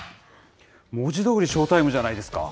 文字どおり、ショータイムじゃないですか。